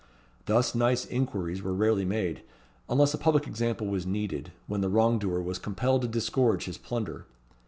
Thus nice inquiries were rarely made, unless a public example was needed, when the wrongdoer was compelled to disgorge his plunder.